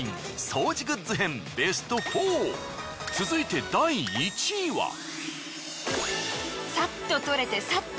続いて第１位は。